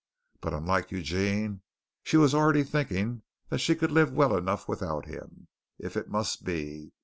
But unlike Eugene, she was already thinking that she could live well enough without him, if it must be.